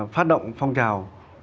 phát động phong trào